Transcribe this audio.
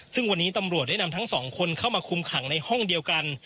ซึ่งวันนี้ตำรวจได้นำทั้งสองคนเข้ามาคุมขังในห้องเดียวกัน